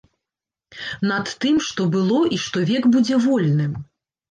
Над тым, што было і што век будзе вольным.